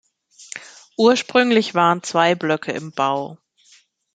Ursprünglich waren zwei Blöcke im Bau.